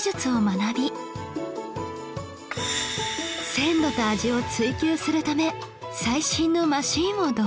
鮮度と味を追求するため最新のマシンを導入